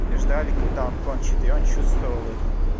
Все ждали, когда он кончит, и он чувствовал это.